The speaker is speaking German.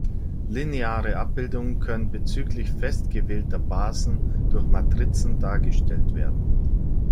Lineare Abbildungen können bezüglich fest gewählter Basen durch Matrizen dargestellt werden.